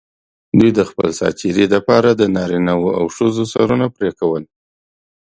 دوی د خپل سات تېري لپاره د نارینه او ښځو سرونه پرې کول.